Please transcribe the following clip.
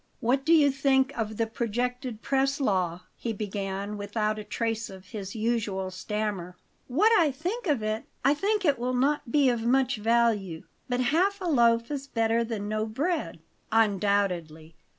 "What do you think of the projected press law?" he began, without a trace of his usual stammer. "What I think of it? I think it will not be of much value, but half a loaf is better than no bread." "Undoubtedly.